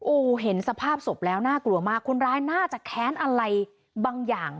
โอ้โหเห็นสภาพศพแล้วน่ากลัวมากคนร้ายน่าจะแค้นอะไรบางอย่าง